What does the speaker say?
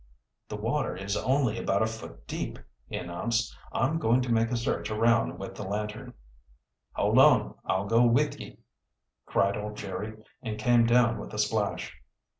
"The water is only about a foot deep," he announced. "I'm going to make a search around with the lantern." "Hold on, I'll go with ye," cried old Jerry, and came down with a splash.